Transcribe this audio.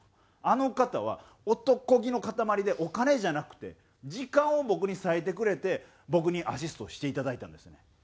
あの方は男気の塊でお金じゃなくて時間を僕に割いてくれて僕にアシストをしていただいたんですよね。